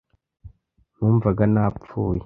numvaga napfuye